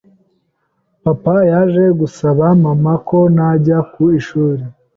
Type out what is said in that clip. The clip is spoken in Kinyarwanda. papa yaje gusaba mama ko najya ku ishuri